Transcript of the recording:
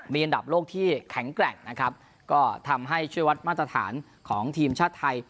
มีอันดับโลกที่แข็งแกร่งนะครับก็ทำให้ช่วยวัดมาตรฐานของทีมชาติไทย